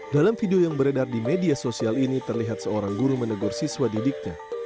dalam video yang beredar di media sosial ini terlihat seorang guru menegur siswa didiknya